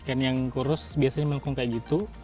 ikan yang kurus biasanya melengkung kayak gitu